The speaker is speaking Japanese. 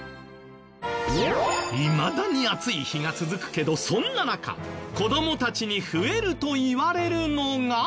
いまだに暑い日が続くけどそんな中子どもたちに増えるといわれるのが。